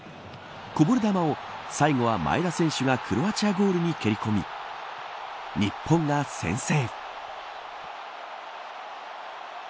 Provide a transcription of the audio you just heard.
こぼれ球を最後は前田選手がクロアチアゴールに蹴り込み日本が先制。